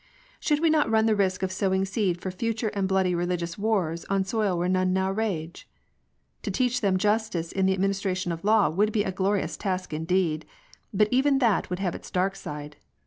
Should we not run the risk of sowing seed for future and bloody religious wars on soil where none now rage ? To teach them justice in the administra tion of law would be a glorious task indeed, but even that would have its dark side.